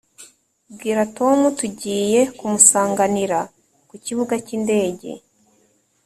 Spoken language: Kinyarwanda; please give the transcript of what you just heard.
bwira tom tugiye kumusanganira kukibuga cyindege.